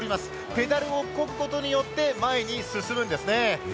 ペダルをこぐことによって前に進むんですね。